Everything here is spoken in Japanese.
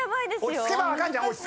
落ち着けば分かんじゃん？